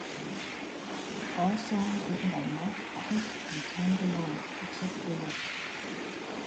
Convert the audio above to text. All songs written by Mark Hoppus and Tom DeLonge, except where noted.